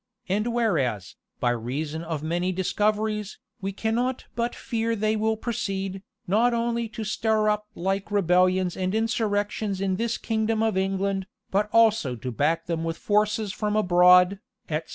And whereas, by reason of many discoveries, we cannot but fear they will proceed, not only to stir up the like rebellions and insurrections in this kingdom of England, but also to back them with forces from abroad," etc.